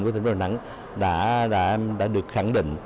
của thành phố đà nẵng đã được khẳng định